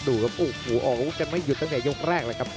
ดูครับอุ้ยหนูออกกันไม่หยุดตั้งแต่ยกแรกนะครับ